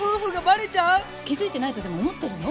気づいてないとでも思ってるの？